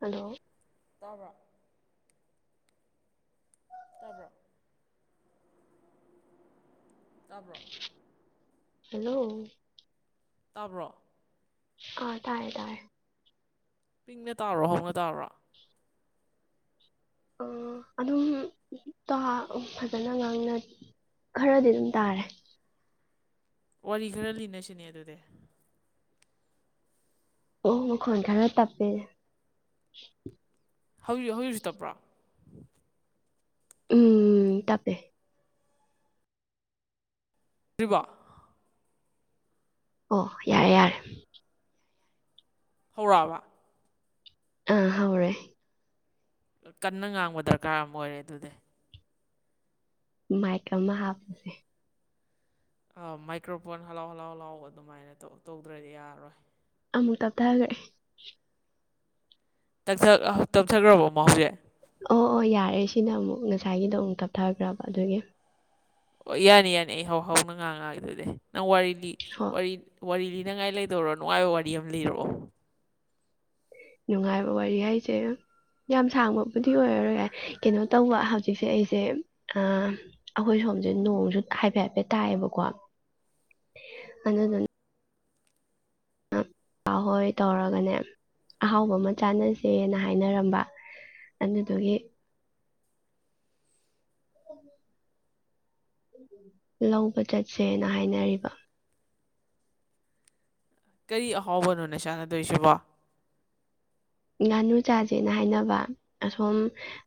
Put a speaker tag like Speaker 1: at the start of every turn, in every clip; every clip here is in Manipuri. Speaker 1: ꯍꯜꯂꯣ
Speaker 2: ꯇꯥꯕ ꯇꯕꯦ ꯇꯥꯕ꯭ꯔꯣ
Speaker 1: ꯍꯦꯜꯂꯣ
Speaker 2: ꯇꯥꯕ꯭ꯔꯣ
Speaker 1: ꯑꯥ ꯇꯥꯔꯦ ꯇꯥꯔꯦ
Speaker 2: ꯄꯤꯡꯅ ꯇꯥꯕ꯭ꯔꫭ ꯍꯧꯅ ꯇꯥꯕ꯭ꯔꯣ
Speaker 1: ꯑ ꯑꯗꯨꯝ ꯇꯥ ꯐꯖꯅ ꯉꯥꯡꯅ ꯈꯔꯗꯤ ꯑꯗꯨꯝ ꯇꯥꯔꯦ
Speaker 2: ꯋꯥꯔꯤ ꯈꯔ ꯂꯤꯅꯁꯤꯅꯦ ꯑꯗꯨꯗꯤ
Speaker 1: ꯑꯣ ꯃꯈꯣꯟ ꯈꯔ ꯇꯞꯄꯦ
Speaker 2: ꯍꯧꯖꯤꯛ ꯍꯧꯖꯤꯛꯁꯨ ꯇꯞꯄ꯭ꯔꯣ
Speaker 1: ꯎꯝ ꯇꯞꯄꯦ
Speaker 2: ꯇꯧꯔꯤꯕꯣ
Speaker 1: ꯑꯣ ꯌꯥꯔꯦ ꯌꯥꯔꯦ
Speaker 2: ꯍꯧꯔꯛꯑꯕ
Speaker 1: ꯑꯥ ꯍꯧꯔꯦ
Speaker 2: ꯀꯟꯅ ꯉꯥꯡꯕ ꯗꯔꯀꯥꯔ ꯑꯃ ꯑꯣꯏꯔꯦ ꯑꯗꯨꯗꯤ
Speaker 1: ꯃꯥꯏꯛ ꯑꯃ ꯍꯥꯞꯄꯁꯦ
Speaker 2: ꯑ ꯃꯥꯏꯀ꯭ꯔꯥꯐꯣꯟ ꯍꯜꯂꯣ ꯍꯜꯂꯣ ꯂꯥꯎꯕꯗꯣ ꯑꯗꯨꯃꯥꯏꯅ ꯇꯧꯗ꯭ꯔꯗꯤ ꯌꯥꯔꯔꯣꯏ
Speaker 1: ꯑꯃꯨꯛ ꯇꯞꯊꯥꯈ꯭ꯔꯦ
Speaker 2: ꯇꯞꯊ ꯇꯞꯊꯈ꯭ꯔꯕꯣ ꯑꯃ ꯍꯧꯖꯤꯛ
Speaker 1: ꯑꯣ ꯑꯣ ꯌꯥꯔꯦ ꯁꯤꯅ ꯑꯃꯨꯛ ꯉꯁꯥꯏꯒꯤꯗ ꯑꯃꯨꯛ ꯊꯞꯊ ꯈ꯭ꯔꯕ ꯑꯗꯨꯒꯤ
Speaker 2: ꯑꯣ ꯌꯥꯅꯤ ꯌꯥꯅꯤ ꯑꯩ ꯍꯧ ꯍꯧꯅ ꯉꯥꯡ ꯉꯛꯑꯒꯦ ꯑꯗꯨꯗꯤ ꯅꯪ ꯋꯥꯔꯤ
Speaker 1: ꯍꯣ
Speaker 2: ꯋꯥꯔꯤ ꯂꯤ ꯍꯥꯏꯅꯉꯥꯏ ꯂꯩꯗꯧꯔꯣ ꯅꯨꯡꯉꯥꯏꯕ ꯋꯥꯔꯤ ꯑꯃ ꯂꯤꯔꯛꯑꯣ
Speaker 1: ꯅꯨꯡꯉꯥꯏꯕ ꯋꯥꯔꯤ ꯍꯥꯏꯁꯦ ꯌꯥꯝ ꯁꯥꯡꯕꯕꯨꯗꯤ ꯑꯣꯏꯔꯔꯣꯢ ꯀꯩꯅꯣ ꯇꯧꯕ ꯍꯧꯖꯤꯛꯁꯦ ꯑꯩꯁꯦ ꯑꯩꯈꯣꯏ ꯁꯣꯝꯁꯦ ꯅꯣꯡꯁꯨ ꯍꯥꯏꯐꯦꯠ ꯍꯥꯏꯐꯦꯠ ꯇꯥꯏꯌꯦꯕꯀꯣ ꯑꯗꯨꯗꯨꯅ ꯕꯥ ꯍꯣꯏ ꯇꯧꯔꯒꯅꯦ ꯑꯍꯥꯎꯕ ꯑꯃ ꯆꯥꯅꯁꯦꯅ ꯍꯥꯏꯅꯔꯝꯕ ꯑꯗꯨꯗꯨꯒꯤ [unintelligible] ꯂꯧꯕ ꯆꯠꯁꯦꯅ ꯍꯥꯏꯅꯔꯤꯕ
Speaker 2: ꯀꯔꯤ ꯑꯍꯥꯎꯕꯅꯣꯅꯦ ꯆꯥꯟꯅꯗꯣꯏꯁꯤꯕꯣ
Speaker 1: ꯉꯥꯅꯨ ꯆꯥꯁꯦꯅ ꯍꯥꯏꯅꯕ ꯑꯁꯣꯝ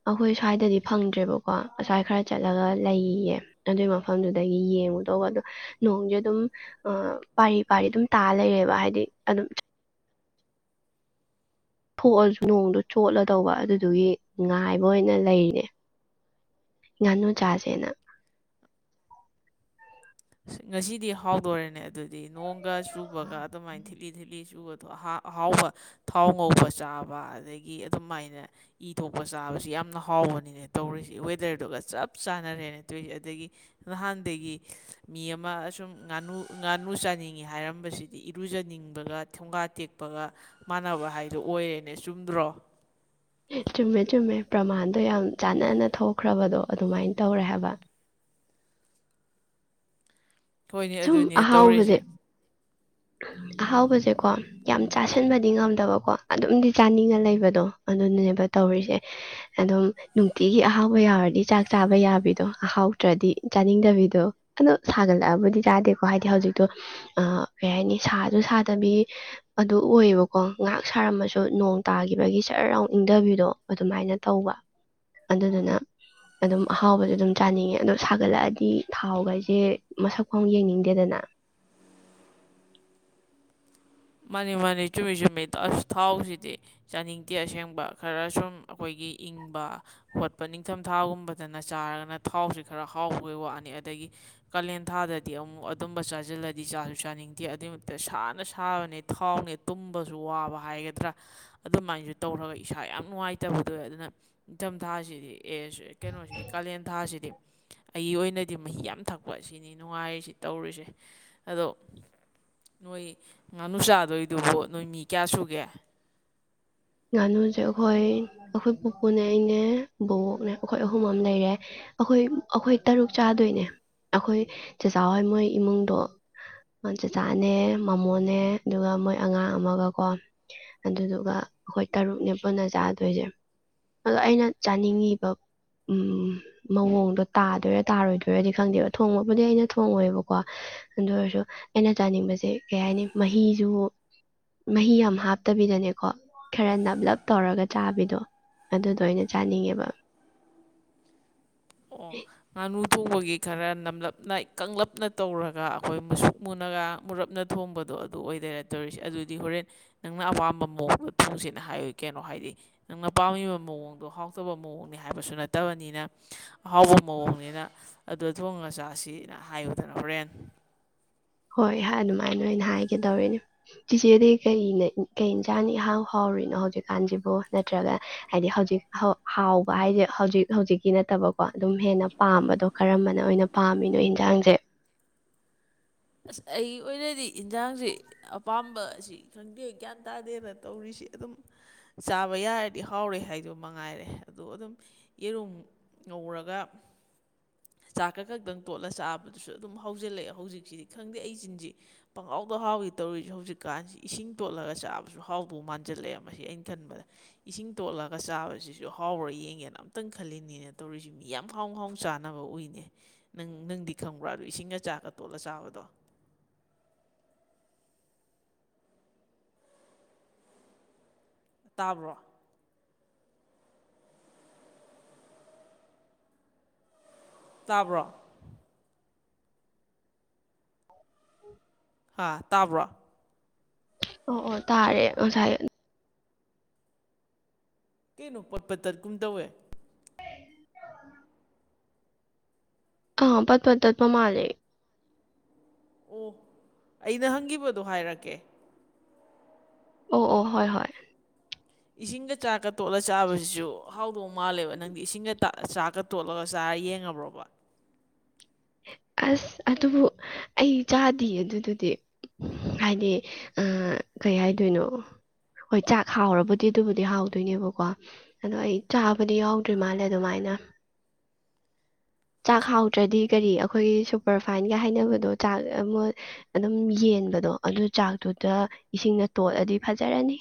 Speaker 1: ꯑꯩꯈꯣꯏ ꯁ꯭ꯋꯥꯏꯗꯗꯤ ꯐꯪꯗ꯭ꯔꯦꯕꯀꯣ ꯑꯁ꯭ꯋꯥꯏ ꯈꯔ ꯆꯠꯂꯒ ꯂꯩꯌꯦ ꯑꯗꯨꯒꯤ ꯃꯐꯝꯗꯨꯗꯒꯤ ꯌꯦꯡꯉꯨꯗꯧꯕ ꯑꯗꯨꯣ ꯅꯣꯡꯁꯦ ꯑꯗꯨꯝ ꯄꯥꯔꯤ ꯄꯥꯔꯤ ꯑꯗꯨꯝ ꯇꯥ ꯂꯩꯔꯦꯕ ꯍꯥꯏꯗꯤ ꯑꯗꯨꯝ ꯊꯣꯛꯑꯁꯨ ꯅꯣꯡꯗ ꯆꯣꯠꯂ ꯇꯧꯕ ꯑꯗꯨꯗꯨꯒꯤ ꯉꯥꯏꯕ ꯑꯣꯏꯅ ꯂꯩꯔꯤꯅꯦ ꯉꯥꯅꯨ ꯆꯥꯁꯦꯅ
Speaker 2: ꯉꯁꯤꯗꯤ ꯍꯥꯎꯗꯣꯔꯦꯅꯦ ꯑꯗꯨꯗꯤ ꯅꯣꯡ ꯒ ꯆꯨꯕꯒ ꯑꯗꯨꯃꯥꯏꯅ ꯊꯤꯠꯂꯤ ꯊꯤꯠꯂꯤ ꯆꯨꯕꯗꯣ ꯑ ꯑꯍꯥꯎꯕ ꯊꯥꯎ ꯉꯧꯕ ꯆꯥꯕ ꯑꯗꯒꯤ ꯑꯗꯨꯃꯥꯏꯅ ꯏ ꯊꯣꯛꯄ ꯆꯥꯕꯁꯤ ꯌꯥꯝꯅ ꯍꯥꯎꯕꯅꯤꯅ ꯇꯧꯔꯤꯁꯤ ꯋꯦꯗꯔꯗꯨꯒ ꯆꯞ ꯆꯥꯟꯅꯔꯦꯅ ꯇꯧꯔꯤꯁꯦ ꯑꯗꯒꯤ ꯅꯍꯥꯟꯗꯒꯤ ꯃꯤ ꯑꯃ ꯑꯁꯨꯝ ꯉꯥꯅꯨ ꯉꯥꯅꯨ ꯆꯥꯅꯤꯡꯉꯤ ꯍꯥꯏꯔꯝꯕꯁꯤꯗꯤ ꯏꯔꯨꯖꯅꯤꯡꯕꯒ ꯊꯣꯡꯒꯥ ꯇꯦꯛꯄꯒ ꯃꯥꯟꯅꯕ ꯍꯥꯏꯗꯣ ꯑꯣꯏꯔꯦꯅꯦ ꯆꯨꯝꯗ꯭ꯔꯣ
Speaker 1: ꯑꯦ ꯆꯨꯝꯃꯦ ꯆꯨꯝꯃꯦ ꯄ꯭ꯔꯃꯥꯟꯗꯣ ꯌꯥꯝ ꯆꯥꯅꯅ ꯊꯣꯛꯈ꯭ꯔꯕꯗꯣ ꯑꯗꯨꯃꯥꯏꯅ ꯇꯧꯔꯦ ꯍꯥꯏꯕ
Speaker 2: ꯍꯣꯏꯅꯦ
Speaker 1: ꯁꯨꯝ
Speaker 2: ꯑꯗꯨꯅꯦ
Speaker 1: ꯑꯍꯥꯎꯕꯁꯦ
Speaker 2: ꯇꯧꯔꯤꯁꯦ
Speaker 1: ꯑꯍꯥꯎꯕꯁꯦꯀꯣ ꯌꯥꯝ ꯆꯥꯁꯤꯟꯕꯗꯤ ꯉꯝꯗꯕꯀꯣ ꯑꯗꯨꯝꯗꯤ ꯆꯥꯅꯤꯡꯉ ꯂꯩꯕꯗꯣ ꯑꯗꯨꯅꯅꯦꯕ ꯇꯧꯔꯤꯁꯦ ꯑꯗꯨꯝ ꯅꯨꯡꯇꯤꯒꯤ ꯑꯍꯥꯎꯕ ꯌꯥꯎꯔꯗꯤ ꯆꯥꯛ ꯆꯥꯕ ꯌꯥꯕꯤꯗꯣ ꯑꯍꯥꯎꯇ꯭ꯔꯗꯤ ꯆꯥꯅꯤꯡꯗꯕꯤꯗꯣ ꯑꯗꯨꯗꯣ ꯁꯥꯒꯠꯂꯛꯑꯕꯨꯗꯤ ꯆꯥꯗꯦꯀꯣ ꯍꯥꯏꯗꯤ ꯍꯧꯖꯤꯛꯇꯣ ꯀꯩ ꯍꯥꯏꯅꯤ ꯁꯥꯁꯨ ꯁꯥꯗꯕꯤ ꯑꯗꯨ ꯑꯣꯏꯌꯦꯕꯀꯣ ꯉꯥꯏꯍꯥꯛ ꯁꯥꯔꯝꯃꯁꯨ ꯅꯣꯡ ꯇꯥꯈꯤꯕꯒꯤ ꯖꯔ ꯂꯥꯎ ꯏꯪꯊꯕꯤꯗꯣ ꯑꯗꯨꯃꯥꯏꯅ ꯇꯧꯕ ꯑꯗꯨꯗꯨꯅ ꯑꯗꯨꯝ ꯑꯍꯥꯎꯕꯁꯨ ꯑꯗꯨꯝ ꯆꯥꯅꯤꯡꯉꯦ ꯑꯗꯣ ꯁꯥꯒꯠꯂꯛꯑꯗꯤ ꯊꯥꯎ ꯒꯥꯢꯁꯦ ꯃꯁꯛ ꯐꯥꯎ ꯌꯦꯡꯅꯤꯡꯗꯦꯗꯅ
Speaker 2: ꯃꯥꯅꯤ ꯃꯥꯅꯤ ꯆꯨꯝꯃꯤ ꯆꯨꯝꯃꯤ ꯑꯁ ꯊꯥꯎꯁꯤꯗꯤ ꯆꯥꯅꯤꯡꯗꯦ ꯑꯁꯦꯡꯕ ꯈꯔ ꯁꯨꯝ ꯑꯩꯈꯣꯏꯒꯤ ꯏꯪꯕ ꯈꯣꯠꯄ ꯅꯤꯡꯊꯝꯊꯥꯒꯨꯝꯕꯗꯅ ꯆꯥꯔꯒꯅ ꯊꯥꯎꯁꯤ ꯈꯔ ꯍꯥꯎꯕꯒꯤ ꯋꯥꯅꯤ ꯑꯗꯒꯤ ꯀꯥꯂꯦꯟ ꯊꯥꯗꯗꯤ ꯑꯃꯨꯛ ꯑꯗꯨꯝꯕ ꯆꯥꯁꯤꯜꯂꯗꯤ ꯆꯥꯁꯨ ꯆꯥꯅꯤꯡꯗꯦ ꯑꯗꯨꯏ ꯃꯛꯇ ꯁꯥꯅ ꯁꯥꯕꯅꯦ ꯊꯥꯎꯅꯦ ꯇꯨꯝꯕꯁꯨ ꯋꯥꯕ ꯍꯥꯏꯒꯗ꯭ꯔꯥ ꯑꯗꯨꯃꯥꯏꯁꯨ ꯇꯧꯔꯒ ꯏꯁꯥ ꯌꯥꯝ ꯅꯨꯡꯉꯥꯏꯇꯕꯗ ꯑꯣꯏ ꯑꯗꯨꯅ ꯅꯤꯡꯊꯝꯊꯥꯁꯤꯗꯤ ꯑꯦ ꯀꯩꯅꯣꯁꯤꯗꯤ ꯀꯥꯂꯦꯟ ꯊꯥꯁꯤꯗꯤ ꯑꯩꯒꯤ ꯑꯣꯏꯅꯗꯤ ꯃꯍꯤ ꯌꯥꯝ ꯊꯛꯄ ꯁꯤꯅꯤ ꯅꯨꯡꯉꯥꯏꯔꯤꯁꯤ ꯇꯧꯔꯤꯁꯦ ꯑꯗꯣ ꯅꯣꯏ ꯉꯥꯅꯨ ꯆꯥꯗꯣꯏꯗꯨꯕꯣ ꯅꯣꯏ ꯃꯤ ꯀꯌꯥ ꯁꯨꯒꯦ
Speaker 1: ꯉꯥꯅꯨꯁꯦ ꯑꯩꯈꯣꯏ ꯑꯩꯈꯣꯏ ꯄꯨꯄꯨꯅꯦ ꯑꯩꯅꯦ ꯕꯣꯕꯣꯛꯅꯦ ꯑꯩꯈꯣꯏ ꯑꯍꯨꯝ ꯑꯃ ꯂꯩꯔꯦ ꯑꯩꯈꯣꯏ ꯑꯩꯈꯣꯏ ꯇꯔꯨꯛ ꯆꯥꯗꯣꯏꯅꯦ ꯑꯩꯈꯣꯏ ꯆꯥꯆꯥꯎ ꯍꯣꯏ ꯃꯣꯏ ꯏꯃꯨꯡꯗꯣ ꯆꯥꯛꯆꯥꯅꯦ ꯃꯃꯣꯅꯦ ꯑꯗꯨꯒ ꯃꯣꯏ ꯑꯉꯥꯡ ꯑꯃꯒꯀꯣ ꯑꯗꯨꯗꯨꯒ ꯑꯩꯈꯣꯏ ꯇꯔꯨꯛꯅꯦ ꯄꯨꯟꯅ ꯆꯥꯗꯣꯏꯁꯦ ꯑꯗꯣ ꯑꯩꯅ ꯆꯥꯅꯤꯡꯉꯤꯕ ꯎ ꯃꯑꯣꯡꯗꯣ ꯇꯥꯗꯣꯏꯔꯥ ꯇꯥꯔꯣꯏꯗꯣꯏꯔꯗꯤ ꯈꯪꯗꯦꯕ ꯊꯣꯡꯕꯕꯨꯗꯤ ꯑꯩꯅ ꯊꯣꯡꯉꯣꯏꯕꯀꯣ ꯑꯗꯨ ꯑꯣꯏꯔꯁꯨ ꯑꯩꯅ ꯆꯥꯅꯤꯡꯕꯁꯦ ꯀꯩ ꯍꯥꯏꯅꯤ ꯃꯍꯤꯁꯨ ꯃꯍꯤ ꯌꯥꯝ ꯍꯥꯞꯇꯕꯤꯗꯅꯦꯀꯣ ꯈꯔ ꯅꯞꯂꯞ ꯇꯧꯔꯒ ꯆꯥꯕꯤꯗꯣ ꯑꯗꯨꯗ ꯑꯣꯏꯅ ꯆꯥꯅꯤꯡꯉꯦꯕ
Speaker 2: ꯑꯣ ꯉꯥꯅꯨ ꯊꯣꯡꯕꯒꯤ ꯈꯔ ꯅꯝꯂꯞꯅ ꯏꯀꯞꯅ ꯇꯧꯔꯒ ꯑꯩꯈꯣꯏ ꯃꯨꯁꯨꯛ ꯃꯨꯅꯒ ꯃꯨꯔꯞꯅ ꯊꯣꯡꯕꯗꯣ ꯑꯗꯨ ꯑꯣꯏꯗꯣꯏꯔ ꯇꯧꯔꯤꯁꯦ ꯑꯗꯨꯗꯤ ꯍꯣꯔꯦꯟ ꯅꯪꯅ ꯑꯄꯥꯝꯕ ꯃꯑꯣꯡꯗꯣ ꯊꯣꯡꯁꯦꯅ ꯍꯥꯏꯌꯨ ꯀꯩꯅꯣ ꯍꯥꯏꯗꯤ ꯅꯪꯅ ꯄꯥꯝꯃꯤꯕ ꯃꯑꯣꯡꯗꯣ ꯍꯥꯎꯇꯕ ꯃꯑꯣꯡꯅꯤ ꯍꯥꯏꯕꯁꯨ ꯅꯠꯇꯕꯅꯤꯅ ꯑꯍꯥꯎꯕ ꯃꯑꯣꯡꯅꯤꯅ ꯑꯗꯨ ꯊꯣꯡ ꯃꯆꯥꯁꯤꯅ ꯍꯥꯏꯌꯨꯗꯥꯅ ꯍꯧꯔꯦꯟ
Speaker 1: ꯍꯣꯏ ꯑꯗꯨꯃꯥꯏꯅ ꯑꯣꯏꯅ ꯍꯥꯏꯒꯗꯧꯔꯤꯅꯦ ꯆꯤꯆꯦꯗꯤ ꯀꯩꯅ ꯀꯩ ꯏꯟꯁꯥꯡꯅ ꯏꯍꯥꯎ ꯍꯥꯎꯔꯤꯅꯣ ꯍꯧꯖꯤꯛꯀꯥꯟꯁꯤꯕꯨ ꯅꯠꯇ꯭ꯔꯒ ꯍꯥꯏꯗꯤ ꯍꯧꯖꯤꯛ ꯍꯥꯎꯕ ꯍꯥꯏꯁꯦ ꯍꯧꯖꯤꯛ ꯍꯧꯖꯤꯛꯀꯤ ꯅꯠꯇꯕꯀꯣ ꯑꯗꯨꯝ ꯍꯦꯟꯅ ꯄꯥꯝꯕꯗꯣ ꯀꯔꯝꯕꯅ ꯑꯣꯏꯅ ꯄꯥꯝꯃꯤꯅꯣ ꯏꯟꯁꯥꯡꯁꯦ
Speaker 2: ꯑꯁ ꯑꯩꯒꯤ ꯑꯣꯏꯅꯗꯤ ꯏꯟꯖꯥꯡꯁꯤ ꯑꯄꯥꯝꯕ ꯑꯁꯤ ꯈꯪꯗꯦ ꯒ꯭ꯌꯥꯟ ꯇꯥꯗꯦꯅ ꯇꯧꯔꯤꯁꯤ ꯑꯗꯨꯝ ꯆꯥꯕ ꯌꯥꯔꯗꯤ ꯍꯥꯎꯔꯦ ꯍꯥꯏꯗꯣ ꯃꯉꯥꯏꯔꯦ ꯑꯗꯣ ꯑꯗꯨꯝ ꯌꯦꯔꯨꯝ ꯉꯧꯔꯒ ꯆꯥꯛꯀꯛ ꯈꯛꯇꯪ ꯇꯣꯠꯂ ꯆꯥꯕꯗꯨꯁꯨ ꯑꯗꯨꯝ ꯍꯥꯎꯖꯤꯜꯂꯛꯑꯦ ꯍꯧꯖꯤꯛꯁꯦ ꯈꯪꯗꯦ ꯑꯩ ꯆꯤꯟꯁꯤ ꯄꯪꯒꯥꯎꯗꯍꯥꯎꯒꯤ ꯇꯧꯔꯤꯁꯤꯦ ꯍꯧꯖꯤꯛꯀꯥꯟꯁꯤ ꯏꯁꯤꯡ ꯇꯣꯠꯂꯒ ꯆꯥꯕꯁꯨ ꯍꯥꯎꯗꯧ ꯃꯥꯟꯖꯜꯂꯛꯑꯦ ꯃꯁꯤ ꯑꯩꯅ ꯈꯟꯕꯗ ꯏꯁꯤꯡ ꯇꯣꯠꯂꯒ ꯆꯥꯕꯁꯤꯁꯨ ꯍꯥꯎꯔ ꯌꯦꯡꯒꯦꯅ ꯑꯝꯇꯪ ꯈꯜꯂꯤꯅꯤꯅ ꯇꯧꯔꯤꯁꯤ ꯃꯤ ꯌꯥꯝ ꯍꯥꯎ ꯍꯥꯎꯅ ꯆꯥꯅꯕ ꯎꯏꯅꯦ ꯅꯪ ꯅꯪꯗꯤ ꯈꯪꯕ꯭ꯔꯥꯗ ꯏꯁꯤꯡꯒ ꯆꯥꯛꯒ ꯇꯣꯠꯂ ꯆꯥꯕꯗꯣ ꯇꯥꯕ꯭ꯔꯣ ꯇꯥꯕ꯭ꯔꯣ ꯍꯥ ꯇꯥꯕ꯭ꯔꯣ
Speaker 1: ꯑꯣ ꯑꯣ ꯇꯥꯔꯦ ꯉꯁꯥꯏ
Speaker 2: ꯀꯩꯅꯣ ꯄꯣꯠ ꯄꯠ ꯇꯠ ꯀꯨꯝ ꯇꯧꯋꯦ
Speaker 1: ꯑꯥ ꯄꯠ ꯄꯠ ꯇꯠꯄ ꯃꯥꯂꯦ
Speaker 2: ꯑꯣ ꯑꯩꯅ ꯍꯪꯈꯤꯕꯗꯣ ꯍꯥꯏꯔꯛꯀꯦ
Speaker 1: ꯑꯣ ꯑꯣ ꯍꯣꯏ ꯍꯣꯏ
Speaker 2: ꯏꯁꯤꯡꯒ ꯆꯥꯛꯀ ꯇꯣꯠꯂ ꯆꯥꯕꯁꯤꯁꯨ ꯍꯥꯎꯗꯧ ꯃꯥꯜꯂꯦꯕ ꯅꯪꯗꯤ ꯏꯁꯤꯡꯒ ꯆꯥꯛꯀ ꯇꯣꯠꯂꯒ ꯆꯥꯔ ꯌꯦꯡꯉꯕ꯭ꯔꯣꯕ
Speaker 1: ꯑꯁ ꯑꯗꯨꯕꯨ ꯑꯩ ꯆꯥꯗꯤꯌꯦ ꯑꯗꯨꯗꯨꯗꯤ ꯍꯥꯏꯗꯤ ꯀꯩ ꯍꯥꯏꯗꯣꯏꯅꯣ ꯍꯣꯏ ꯆꯥꯛ ꯍꯥꯎꯔꯕꯨꯗꯤ ꯑꯗꯨꯕꯨꯗꯤ ꯍꯥꯎꯗꯣꯏꯅꯦꯕꯀꯣ ꯑꯗꯣ ꯑꯩ ꯆꯥꯕꯗꯤ ꯌꯥꯎꯗ꯭ꯔꯤ ꯃꯥꯜꯂꯦ ꯑꯗꯨꯃꯥꯏꯅ ꯆꯥꯛ
Speaker 2: ꯑꯁ
Speaker 1: ꯍꯥꯎꯇ꯭ꯔꯗꯤ ꯑꯩꯈꯣꯏꯒꯤ ꯁꯨꯄꯔ ꯐꯥꯏꯟꯒ ꯍꯥꯏꯅꯕꯗꯣ ꯆꯥꯛ ꯑꯃ ꯑꯗꯨꯝ ꯌꯦꯟꯕꯗꯣ ꯑꯗꯨ ꯆꯥꯛꯇꯨꯗ ꯏꯁꯤꯡꯅ ꯇꯣꯠꯂꯗꯤ ꯐꯖꯔꯅꯤ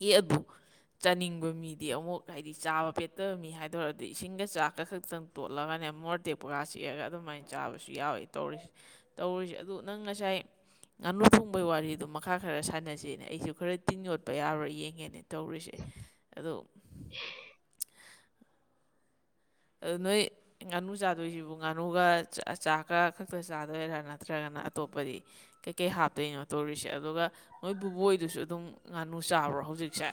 Speaker 2: ꯑꯦ ꯑꯗꯨ ꯆꯥꯅꯤꯡꯕ ꯃꯤꯗꯤ ꯑꯃꯨꯛ ꯍꯥꯏꯗꯤ ꯆꯥꯕ ꯄꯦꯠꯇꯕ ꯃꯤ ꯍꯥꯏꯗꯧꯔꯗꯤ ꯏꯁꯤꯡꯒ ꯆꯥꯛꯀ ꯈꯛꯇꯪ ꯇꯣꯠꯂꯒꯅꯦ ꯃꯣꯔ ꯇꯦꯛꯄꯒ ꯆꯤꯛꯑꯒ ꯑꯗꯨꯃꯥꯏꯅ ꯆꯥꯕꯁꯨ ꯌꯥꯎꯋꯤ ꯇꯧꯔꯤꯁꯦ ꯇꯧꯔꯤꯁꯦ ꯑꯗꯨ ꯅꯪ ꯉꯁꯥꯏ ꯉꯥꯅꯨ ꯐꯣꯡꯕꯩ ꯋꯥꯔꯤꯗꯣ ꯃꯈꯥ ꯈꯔ ꯁꯥꯟꯅꯁꯤꯅꯦ ꯑꯩꯁꯨ ꯈꯔ ꯇꯤꯟ ꯌꯣꯠꯄ ꯌꯥꯔꯣꯏ ꯌꯦꯡꯉꯦ ꯇꯧꯔꯤꯁꯦ ꯑꯗꯣ ꯑꯗꯨ ꯅꯣꯏ ꯉꯥꯅꯨ ꯆꯥꯗꯣꯏꯁꯤꯕꯨ ꯉꯥꯅꯨꯒ ꯆ ꯆꯥꯛꯀ ꯈꯛꯇ ꯆꯥꯗꯣꯏꯔꯥ ꯅꯠꯇ꯭ꯔꯒꯅ ꯑꯇꯣꯞꯄꯗꯤ ꯀꯩꯀꯩ ꯍꯥꯞꯇꯣꯏꯅꯣ ꯇꯧꯔꯤꯁꯦ ꯑꯗꯨꯒ ꯃꯣꯏ ꯕꯕꯨꯕꯣꯏꯗꯨꯁꯨ ꯑꯗꯨꯝ ꯉꯥꯅꯨ ꯆꯥꯕ꯭ꯔꯣ ꯍꯧꯖꯤꯛꯁꯦ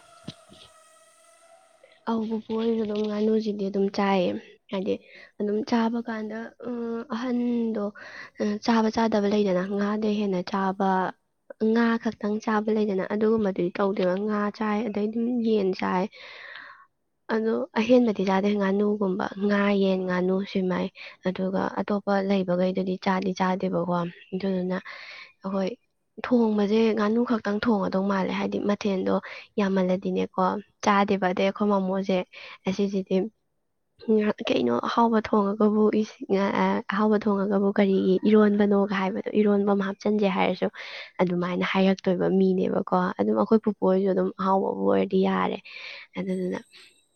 Speaker 1: ꯑꯧꯕꯄꯨ ꯑꯣꯏꯔꯁꯨ ꯑꯗꯨꯝ ꯉꯥꯅꯨꯁꯤꯗꯤ ꯑꯗꯨꯝ ꯆꯥꯏꯌꯦ ꯍꯥꯏꯗꯤ ꯑꯗꯨꯝ ꯆꯥꯕ ꯀꯥꯟꯗ ꯑꯍꯟꯗꯣ ꯆꯥꯕ ꯆꯥꯗꯕ ꯂꯩꯗꯅ ꯉꯥꯗ ꯍꯦꯟꯅ ꯆꯥꯕ ꯉꯥ ꯈꯛꯇꯪ ꯆꯥꯕ ꯂꯩꯗꯅ ꯑꯗꯨꯒꯨꯝꯕꯗꯨꯗꯤ ꯇꯧꯗꯦꯕ ꯉꯥ ꯆꯥꯏ ꯑꯗꯩ ꯑꯗꯨꯝ ꯌꯦꯟ ꯆꯥꯏ ꯑꯗꯣ ꯑꯍꯦꯟꯕꯗꯤ ꯆꯥꯗꯦ ꯉꯥꯅꯨꯒꯨꯝꯕ ꯉꯥ ꯌꯦꯟ ꯉꯥꯅꯨ ꯁꯃꯥꯏ ꯑꯗꯨꯒ ꯑꯇꯣꯞꯄ ꯂꯩꯕꯈꯩꯗꯨꯗꯤ ꯆꯥꯗꯤ ꯆꯥꯗꯦꯕꯀꯣ ꯑꯗꯨꯗꯨꯅ ꯑꯩꯈꯣꯏ ꯊꯣꯡꯕꯁꯦ ꯉꯥꯅꯨ ꯈꯛꯇꯪ ꯊꯣꯡꯉꯗꯧ ꯃꯥꯜꯂꯦ ꯍꯥꯏꯕꯗꯤ ꯃꯊꯦꯜꯗꯣ ꯌꯥꯝꯃꯜꯂꯗꯤꯅꯦꯀꯣ ꯆꯥꯗꯦꯕ ꯑꯗꯩ ꯑꯩꯈꯣꯏ ꯃꯃꯣꯁꯦ ꯑꯁꯤꯁꯤꯗꯤ ꯀꯩꯅꯣ ꯑꯍꯥꯎꯕ ꯊꯣꯡꯉꯒꯕꯨ ꯑꯍꯥꯎꯕ ꯊꯣꯡꯉꯒꯕꯨ ꯀꯔꯤꯒꯤ ꯏꯔꯣꯟꯕꯅꯣꯒ ꯍꯥꯏꯕꯗꯣ ꯏꯔꯣꯟꯕ ꯑꯃ ꯍꯥꯞꯆꯤꯟꯁꯦ ꯍꯥꯏꯔꯁꯨ ꯑꯗꯨꯃꯥꯏꯅ ꯍꯥꯏꯔꯛꯇꯣꯏꯕ ꯃꯤꯅꯦꯕꯀꯣ ꯑꯗꯨꯝ ꯑꯩꯈꯣꯏ ꯄꯨꯄꯨꯔꯁꯨ ꯑꯗꯨꯝ ꯑꯍꯥꯎꯕꯕꯨ ꯑꯣꯏꯔꯗꯤ ꯌꯥꯔꯦ ꯑꯗꯨꯗꯨꯅ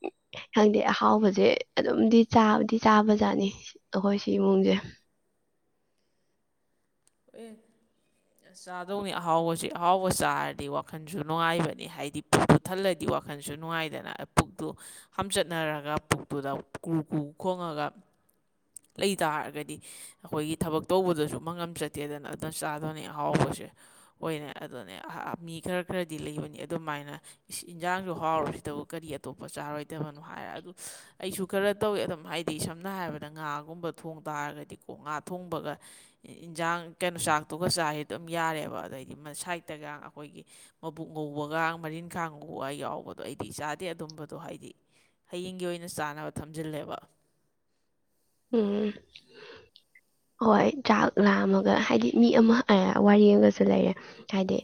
Speaker 1: ꯎ ꯈꯪꯗꯦ ꯑꯍꯥꯎꯕꯁꯦ ꯑꯗꯨꯝꯗꯤ ꯆꯥꯗꯤ ꯆꯥꯕꯖꯥꯠꯅꯤ ꯑꯩꯈꯣꯏ ꯁꯤ ꯏꯃꯨꯡꯁꯦ
Speaker 2: ꯑꯦ ꯑꯁ ꯆꯥꯗꯧꯅꯤ ꯑꯍꯥꯎꯕꯁꯤ ꯑꯍꯥꯎꯕ ꯆꯥꯔꯗꯤ ꯋꯥꯈꯜꯁꯨ ꯅꯨꯡꯉꯥꯏꯕꯅꯤ ꯍꯥꯏꯗꯤ ꯄꯨꯛꯇꯨ ꯊꯜꯂꯗꯤ ꯋꯥꯈꯜꯁꯨ ꯅꯨꯡꯉꯥꯏꯗꯅ ꯄꯨꯛꯇꯨ ꯍꯥꯝꯆꯠꯅꯔꯒ ꯄꯨꯛꯇꯨꯗ ꯀꯨ ꯀꯨ ꯈꯣꯡꯉꯒ ꯂꯩꯇꯥꯔꯒꯗꯤ ꯑꯩꯈꯣꯏꯒꯤ ꯊꯕꯛ ꯇꯧꯕꯗꯁꯨ ꯃꯪꯉꯝ ꯆꯠ ꯂꯩꯇꯦꯗꯅ ꯑꯗꯨꯝ ꯆꯥꯗꯕꯅꯤ ꯑꯍꯥꯎꯕꯁꯦ ꯑꯣꯏꯅ ꯑꯗꯨꯅꯦ ꯃꯤ ꯈꯔ ꯈꯔꯗꯤ ꯂꯩꯕꯅꯤ ꯑꯗꯨꯃꯥꯏꯅ ꯏꯟꯁꯥꯡꯁꯨ ꯍꯥꯎꯔꯨꯁꯤꯗꯕꯨ ꯀꯔꯤ ꯑꯇꯣꯞꯄ ꯆꯥꯔꯣꯏꯗꯕꯅꯣ ꯍꯥꯏꯔ ꯑꯗꯨ ꯑꯩꯁꯨ ꯈꯔ ꯇꯧꯋꯦ ꯑꯗꯨꯝ ꯍꯥꯏꯗꯤ ꯁꯝꯅ ꯍꯥꯏꯔꯕꯗ ꯉꯥꯒꯨꯝꯕ ꯊꯣꯡ ꯇꯥꯔꯒꯗꯤ ꯀꯣ ꯉꯥ ꯊꯣꯡꯕꯒ ꯌꯦꯟꯁꯥꯡ ꯀꯩꯅꯣ ꯆꯥꯛꯇꯨꯒ ꯆꯥꯁꯤ ꯑꯗꯨꯝ ꯌꯥꯔꯦꯕ ꯑꯗꯩꯗꯤ ꯁꯥꯏꯠꯇꯒ ꯑꯩꯈꯣꯏꯒꯤ ꯃꯕꯨꯛ ꯉꯧꯕꯒ ꯃꯔꯤꯟꯈꯥꯡ ꯉꯧꯕꯒ ꯌꯥꯎꯕꯗꯣ ꯑꯩꯗꯤ ꯆꯥꯗꯦ ꯑꯗꯨꯝꯕꯗꯣ ꯍꯥꯏꯗꯤ ꯍꯌꯦꯡꯒꯤ ꯑꯣꯏꯅ ꯆꯥꯅꯕ ꯊꯝꯖꯤꯜꯂꯦꯕ
Speaker 1: ꯎꯝ ꯍꯣꯏ ꯆꯥꯛ ꯂꯥꯝꯃꯒ ꯍꯥꯏꯗꯤ ꯃꯤ ꯑꯃ ꯋꯥꯔꯤꯒꯁꯨ ꯂꯩꯔꯦ ꯍꯥꯏꯗꯤ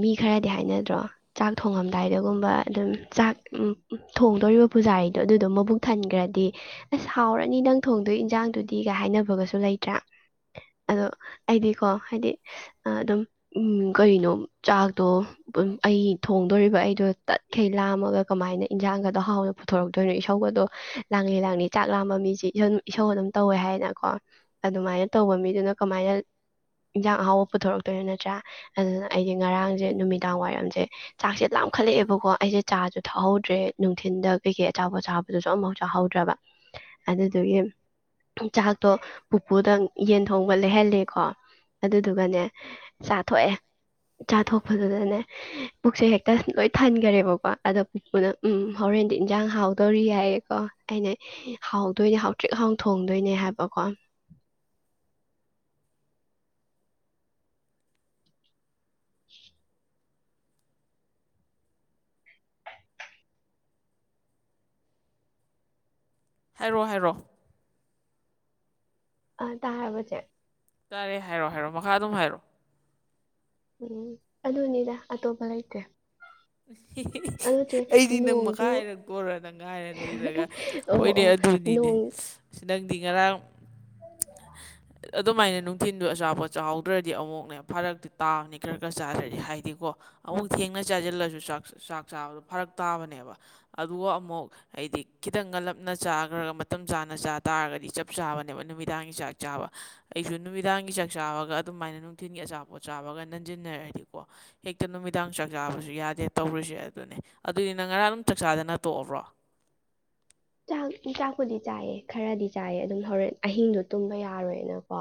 Speaker 1: ꯃꯤ ꯈꯔꯗꯤ ꯍꯥꯏꯅꯗ꯭ꯔꯣ ꯆꯥꯛ ꯊꯣꯡꯉꯝꯗꯥꯏꯗꯒꯨꯝꯕ ꯑꯗꯨꯝ ꯆꯥꯛ ꯊꯣꯡꯗꯣꯔꯤꯕ ꯄꯨꯖꯥꯔꯤꯗꯣ ꯑꯗꯨꯗꯣ ꯃꯕꯨꯛ ꯊꯟꯈ꯭ꯔꯗꯤ ꯑꯁ ꯍꯥꯎꯔꯅꯤ ꯅꯪ ꯊꯣꯡꯗꯣꯏ ꯏꯟꯖꯥꯡꯗꯨꯗꯤꯒ ꯍꯥꯏꯅꯕꯒꯁꯨ ꯂꯩꯇ꯭ꯔꯥ ꯑꯗꯣ ꯑꯩꯗꯤꯀꯣ ꯍꯥꯏꯗꯤ ꯑꯗꯨꯝ ꯀꯔꯤꯅꯣ ꯆꯥꯛꯇꯣ ꯑꯩ ꯊꯣꯡꯗꯣꯔꯤꯕ ꯑꯩꯗꯣ ꯇꯠꯈꯩ ꯂꯥꯝꯃꯒ ꯀꯃꯥꯏꯅ ꯏꯟꯖꯥꯡꯒꯗꯣ ꯍꯥꯎꯅ ꯄꯨꯊꯣꯔꯛꯇꯣꯏꯅꯣ ꯏꯁꯧꯒꯗꯣ ꯂꯥꯡꯉꯦ ꯂꯥꯡꯉꯦ ꯆꯥꯛ ꯂꯥꯝꯕ ꯃꯤꯁꯦ ꯝ ꯏꯁꯧ ꯑꯗꯨꯝ ꯇꯧꯋꯦ ꯍꯥꯏꯗꯅꯀꯣ ꯑꯗꯨꯃꯥꯏꯅ ꯇꯧꯕ ꯃꯤꯗꯨꯅ ꯀꯃꯥꯏꯅ ꯏꯟꯖꯥꯡ ꯑꯍꯥꯎꯕ ꯄꯨꯊꯣꯔꯛꯇꯣꯏꯅꯣ ꯅꯠꯇ꯭ꯔꯥ ꯑꯗꯨꯅ ꯑꯩꯁꯦ ꯉꯔꯥꯡꯁꯦ ꯅꯨꯃꯤꯗꯥꯡ ꯋꯥꯏꯔꯝꯁꯦ ꯆꯥꯛꯁꯦ ꯂꯥꯝꯈꯠꯂꯛꯑꯦꯕꯀꯣ ꯑꯩꯁꯦ ꯆꯥꯁꯨ ꯊꯛꯍꯧꯗ꯭ꯔꯦ ꯅꯨꯡꯊꯤꯟꯗ ꯀꯩꯀꯩ ꯑꯆꯥꯄꯣꯠꯁꯥꯕꯗꯨꯁꯨ ꯑꯃꯝꯐꯥꯎ ꯆꯥꯍꯧꯗ꯭ꯔꯕ ꯑꯗꯨ ꯑꯗꯨꯒꯤ ꯆꯥꯛꯇꯣ ꯄꯨꯄꯨꯗ ꯌꯦꯟ ꯊꯣꯡꯕ ꯂꯩꯍꯜꯂꯦꯀꯣ ꯑꯗꯨꯗꯨꯒꯅꯦ ꯆꯥꯊꯣꯛꯑꯦ ꯆꯥꯊꯣꯛꯄꯗꯨꯗꯅꯦ ꯄꯨꯛꯁꯦ ꯍꯦꯛꯇ ꯂꯣꯏ ꯊꯟꯈꯔꯦꯕꯀꯣ ꯑꯗꯣ ꯄꯨꯄꯨꯅ ꯎ ꯍꯣꯔꯦꯟꯗꯤ ꯏꯟꯖꯥꯡ ꯍꯥꯎꯗꯧꯔꯤ ꯌꯥꯏꯌꯦꯀꯣ ꯑꯩꯅ ꯍ ꯑꯗꯨꯣꯏꯅꯦ ꯍꯥꯎꯇ꯭ꯔꯤꯛ ꯍꯥꯎꯅ ꯊꯣꯡꯗꯣꯏꯅꯦ ꯍꯥꯏꯕꯀꯣ ꯎ
Speaker 2: ꯍꯥꯏꯔꯣ ꯍꯥꯏꯔꯣꯑꯣ
Speaker 1: ꯑ ꯇꯥꯕꯁꯦ
Speaker 2: ꯇꯥꯔꯦ ꯍꯥꯏꯔꯛꯑꯣ ꯍꯥꯏꯔꯛꯑꯣ ꯃꯈꯥ ꯑꯗꯨꯝ ꯍꯥꯏꯔꯛꯣꯑꯣ
Speaker 1: ꯎꯝ ꯑꯗꯨꯅꯤꯗ ꯑꯇꯣꯞꯄ ꯂꯩꯇꯦ ꯑꯗꯨ ꯆꯦ
Speaker 2: ꯑꯩꯗꯤ ꯅꯪ
Speaker 1: ꯅꯣꯡꯁꯨ
Speaker 2: ꯃꯈꯥꯏ ꯍꯥꯏꯔ ꯀꯣꯂ ꯅꯪ ꯉꯥꯏꯔ ꯂꯩꯔꯒ
Speaker 1: ꯑꯣ
Speaker 2: ꯍꯣꯏꯅꯦ
Speaker 1: ꯑꯣ
Speaker 2: ꯑꯗꯨꯅꯤꯅꯦ
Speaker 1: ꯅꯣꯡ
Speaker 2: ꯅꯪꯗꯤ ꯉꯔꯥꯡ ꯑꯗꯨꯃꯥꯏꯅ ꯅꯨꯡꯊꯤꯟꯗꯣ ꯑꯆꯥꯄꯣꯠ ꯆꯥꯎꯍꯥꯎꯗ꯭ꯔꯗꯤ ꯑꯃꯨꯛꯅꯦ ꯐꯔꯛꯇꯤ ꯇꯥꯕꯅꯤ ꯈꯔ ꯈꯔ ꯆꯥꯗꯗꯤ ꯍꯥꯏꯗꯤꯀꯣ ꯑꯃꯨꯛ ꯊꯦꯡꯅ ꯆꯥꯁꯤꯜꯂꯁꯨ ꯆꯥꯛ ꯆꯥꯕꯗꯣ ꯐꯔꯛ ꯇꯥꯕꯅꯦꯕ ꯑꯗꯨꯒ ꯑꯃꯨꯛ ꯍꯥꯏꯗꯤ ꯈꯤꯇꯪꯒꯂꯞꯅ ꯆꯥꯈ꯭ꯔꯒ ꯃꯇꯝ ꯆꯥꯅ ꯆꯥ ꯇꯥꯔꯒꯗꯤ ꯆꯞ ꯆꯥꯕꯅꯦꯕ ꯅꯨꯃꯤꯠ ꯅꯨꯃꯤꯗꯥꯡꯒꯤ ꯆꯥꯛ ꯆꯥꯕ ꯑꯩꯁꯨ ꯅꯨꯃꯤꯗꯥꯡꯒꯤ ꯆꯥꯛ ꯆꯥꯕꯒ ꯑꯗꯨꯃꯥꯏꯅ ꯅꯨꯡꯊꯤꯜꯒꯤ ꯑꯆꯥꯄꯣꯠ ꯆꯥꯕꯒ ꯅꯟꯁꯤꯟꯅꯔꯛꯑꯗꯤꯀꯣ ꯍꯦꯛꯇ ꯅꯨꯃꯤꯗꯥꯡ ꯆꯥꯛ ꯆꯥꯕꯁꯨ ꯌꯥꯗꯦ ꯇꯧꯔꯤꯁꯦ ꯑꯗꯨꯅꯦ ꯑꯗꯨꯅꯤꯅ ꯉꯔꯥꯡ ꯑꯗꯨꯝ ꯆꯥꯛꯆꯥꯥꯗꯅ ꯇꯣꯛꯑꯕ꯭ꯔꯣ
Speaker 1: ꯆꯥꯛ ꯆꯥꯛꯄꯨꯗꯤ ꯆꯥꯏꯌꯦ ꯈꯔꯗꯤ ꯆꯥꯏꯌꯦ ꯑꯗꯨꯝ ꯍꯣꯔꯦꯟ ꯑꯍꯤꯡꯗꯣ ꯇꯨꯝꯕ ꯌꯥꯔꯣꯏꯅꯀꯣ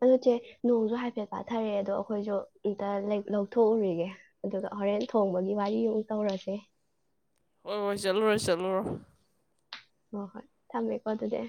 Speaker 1: ꯑꯗꯨꯣ ꯆꯦ ꯅꯣꯡꯁꯨ ꯍꯥꯏꯐꯦꯠ ꯄꯥꯊꯔꯛꯑꯦ ꯑꯗꯣ ꯑꯩꯈꯣꯏꯁꯨ ꯑꯝꯇ ꯂꯧꯊꯣꯛꯎꯔꯤꯒꯦ ꯑꯗꯨꯒ ꯍꯣꯔꯦꯟ ꯊꯣꯡꯕꯒꯤ ꯋꯥꯔꯤ ꯑꯃꯨ ꯇꯧꯔꯁꯦ
Speaker 2: ꯍꯣꯏ ꯍꯣꯏ ꯆꯠꯂꯨꯔꯣꯏ ꯆꯠꯂꯨꯔꯣ
Speaker 1: ꯍꯣꯏ ꯍꯣꯏ ꯊꯝꯃꯦꯀꯣ ꯑꯗꯨꯗꯤ